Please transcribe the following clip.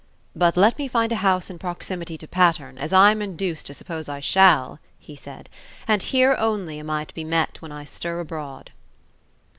"But let me find a house in proximity to Patterne, as I am induced to suppose I shall," he said, "and here only am I to be met when I stir abroad."